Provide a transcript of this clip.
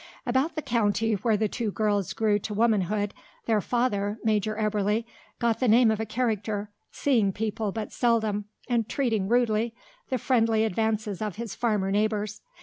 About the county where the two girls grew to womanhood, their father, Major Eberly, got the name of a character, seeing people but seldom and treating rudely the friendly advances of his farmer neighbours.